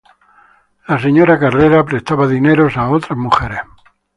La señora Carrera prestaba dinero a otras mujeres.